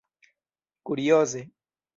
kurioze